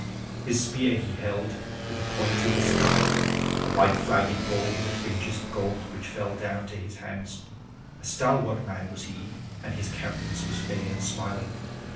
His spear he held with the point to the sky; a white flag it bore with fringes of gold which fell down to his hands. A stalwart man was he, and his countenance was fair and smiling.